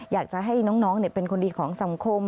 อยากจะให้น้องเป็นคนดีของสังคม